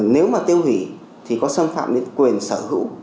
nếu mà tiêu hủy thì có xâm phạm đến quyền sở hữu